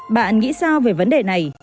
bạn nghĩ sao về vấn đề này